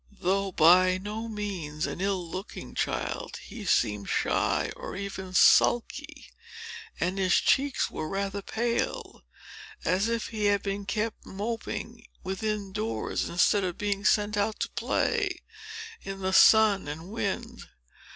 Though by no means an ill looking child; he seemed shy, or even sulky; and his cheeks were rather pale, as if he had been kept moping within doors, instead of being sent out to play in the sun and wind.